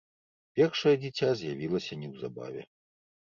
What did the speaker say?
Першае дзіця з'явілася неўзабаве.